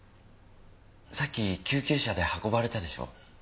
さっき救急車で運ばれたでしょ。